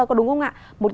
có đúng không ạ